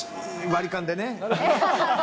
割り勘でね。